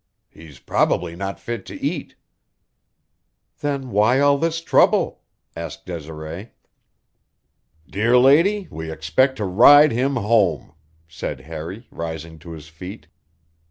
"He's probably not fit to eat." "Then why all this trouble?" asked Desiree. "Dear lady, we expect to ride him home," said Harry, rising to his feet.